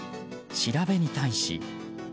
調べに対し。